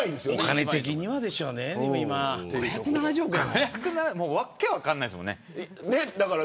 お金的にはでしょうね、今は。５７０億やもん。訳分からないですもんね。